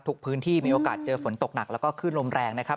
พื้นที่มีโอกาสเจอฝนตกหนักแล้วก็ขึ้นลมแรงนะครับ